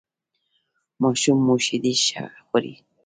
ماشوم مو شیدې ښه خوري؟